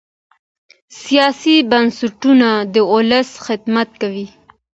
سیاسي بنسټونه د ولس خدمت کوي